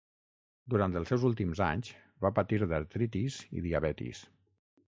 Durant els seus últims anys, va patir d'artritis i diabetis.